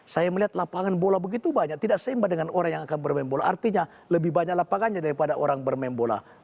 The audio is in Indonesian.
saya melihat lapangan bola begitu banyak tidak seimbang dengan orang yang akan bermain bola artinya lebih banyak lapangannya daripada orang bermain bola